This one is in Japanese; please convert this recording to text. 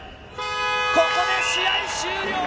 ここで試合終了！